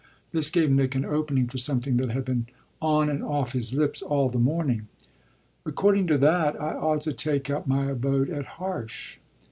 This gave Nick an opening for something that had been on and off his lips all the morning. "According to that I ought to take up my abode at Harsh."